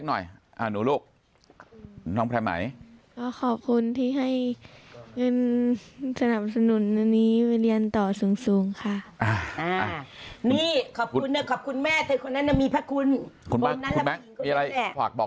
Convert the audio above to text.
คุณแม่มีอะไรผวักบอกทิ้งท้ายให้หน่อยไหมครับ